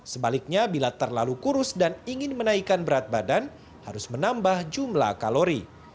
sebaliknya bila terlalu kurus dan ingin menaikkan berat badan harus menambah jumlah kalori